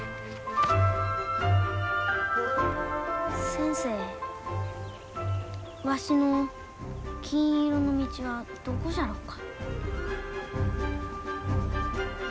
先生わしの金色の道はどこじゃろうか？